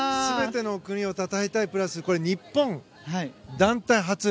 全ての国をたたえたいプラス日本団体初。